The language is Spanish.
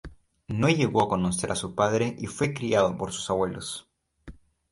No llegó a conocer a su padre y fue criado por sus abuelos.